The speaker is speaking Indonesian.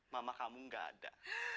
mama kamu gak ada